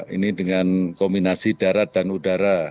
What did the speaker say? ini dengan kombinasi darat dan udara